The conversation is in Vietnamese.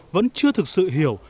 vẫn chưa thực sự hiểu